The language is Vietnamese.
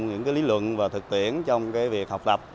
những lý luận và thực tiễn trong việc học tập